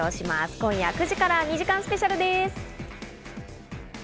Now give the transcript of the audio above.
今夜９時から２時間スペシャルです。